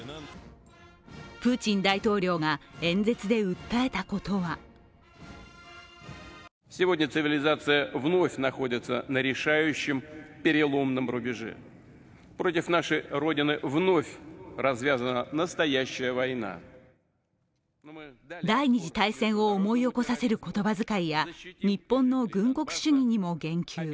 プーチン大統領が演説で訴えたことは第二次大戦を思い起こさせる言葉遣いや日本の軍国主義にも言及。